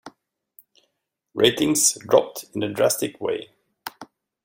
Ratings dropped in a drastic way.